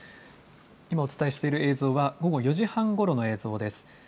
今、お伝えしている映像は、午後４時半ごろの映像です。